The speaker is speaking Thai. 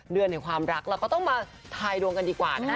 เดือนแห่งความรักเราก็ต้องมาทายดวงกันดีกว่านะคะ